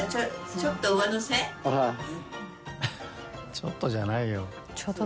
ちょっとじゃないよ。